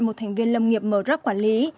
một thành viên lâm nghiệp mợt rắc quản lý